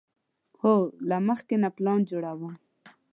هو، له مخکې نه پلان جوړوم